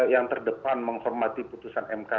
yang terdepan menghormati putusan mk